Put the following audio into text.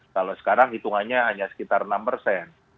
kalau sekarang hitungannya hanya sekitar enam persen